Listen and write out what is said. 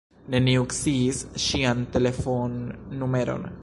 Neniu sciis ŝian telefonnumeron.